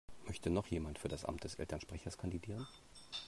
Möchte noch jemand für das Amt des Elternsprechers kandidieren?